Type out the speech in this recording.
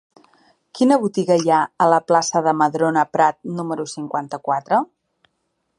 Quina botiga hi ha a la plaça de Madrona Prat número cinquanta-quatre?